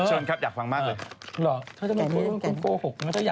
เชิญครับอยากฟังมากเลย